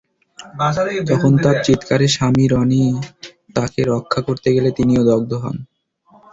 তখন তাঁর চিৎকারে স্বামী রনি তাঁকে রক্ষা করতে গেলে তিনিও দগ্ধ হন।